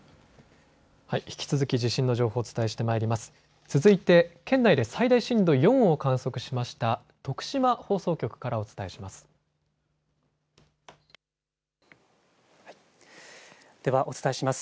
引き続き地震の情報をお伝えしてまいります。